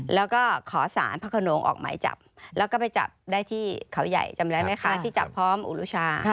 แล้วก็ขอสารพระขนงออกหมายจับแล้วก็ไปจับได้ที่เขาใหญ่จำได้ไหมคะที่จับพร้อมอุรุชา